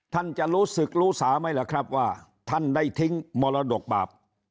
ท่านจะรู้สึกรู้สาไหมล่ะครับว่าท่านได้ทิ้งมรดกบาป